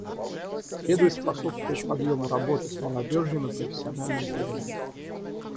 Следует способствовать подъему работы с молодежью на профессиональный уровень.